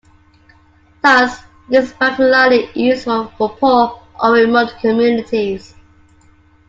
Thus it is particularly useful for poor or remote communities.